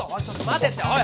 ちょっと待てって！